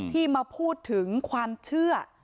ที่มาพูดถึงความเชื่อ